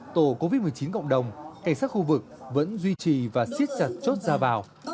tổ covid một mươi chín cộng đồng cảnh sát khu vực vẫn duy trì và siết chặt chốt ra vào